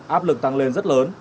áp lực tăng lên rất lớn